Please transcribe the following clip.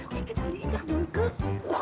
oke kita pindah dulu ke